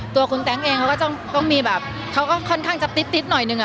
ตัวคุณแต๊งเองเขาก็ต้องมีแบบเขาก็ค่อนข้างจะติ๊ดหน่อยนึง